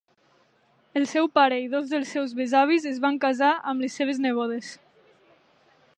El seu pare i dos dels seus besavis es van casar amb les seves nebodes.